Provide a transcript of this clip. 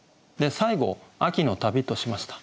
最後「秋の旅」としました。